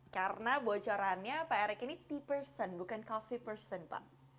karena bocorannya pak erick ini tea person bukan coffee person pak